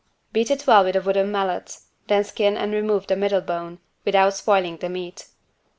Beat it well with a wooden mallet, then skin and remove the middle bone, without spoiling the meat.